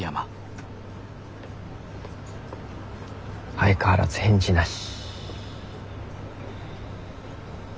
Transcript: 相変わらず返事なし。